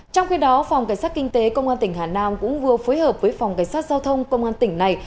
trong khi đó phòng cảnh sát kinh tế công an tỉnh hà nam cũng vừa phối hợp với phòng cảnh sát giao thông công an tỉnh này